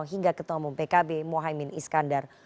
hingga ketua umum pkb mohaimin iskandar